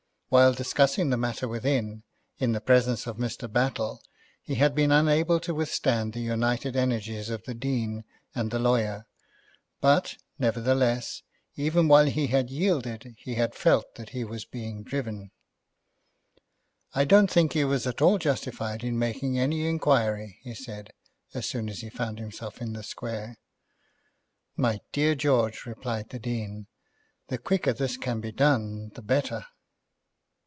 While discussing the matter within, in the presence of Mr. Battle, he had been unable to withstand the united energies of the Dean and the lawyer, but, nevertheless, even while he had yielded, he had felt that he was being driven. "I don't think he was at all justified in making any inquiry," he said, as soon as he found himself in the Square. "My dear George," replied the Dean, "the quicker this can be done the better."